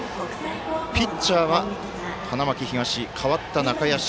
ピッチャーは花巻東代わった中屋敷。